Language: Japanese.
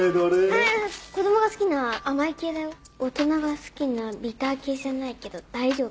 あぁ子供が好きな甘い系だよ？大人が好きなビター系じゃないけど大丈夫？